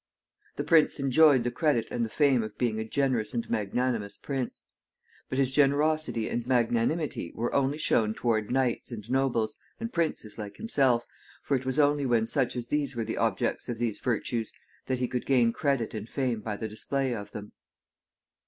The prince enjoyed the credit and the fame of being a generous and magnanimous prince. But his generosity and magnanimity were only shown toward knights, and nobles, and princes like himself, for it was only when such as these were the objects of these virtues that he could gain credit and fame by the display of them.